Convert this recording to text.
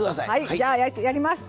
じゃあやります！